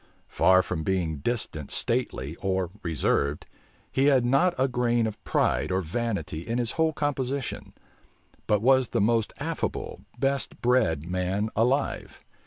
Far from being distant stately, or reserved, he had not a grain of pride or vanity in his whole composition;[] but was the most affable, best bred man alive.